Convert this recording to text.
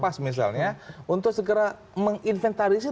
pas misalnya untuk segera menginventarisir